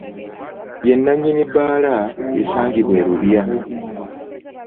Ye nnanyini bbaala esangibwa e lubya.